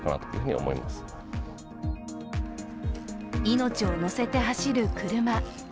命を乗せて走る車。